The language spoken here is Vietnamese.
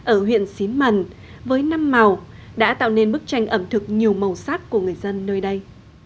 ở huyện xín mần với năm màu đã tạo nên bức tranh ẩm thực nhiều màu sắc của người dân nơi đây